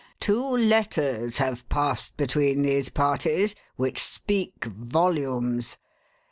Two letters have passed between these parties, which speak volumes.